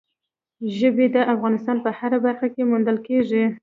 ژبې د افغانستان په هره برخه کې موندل کېږي.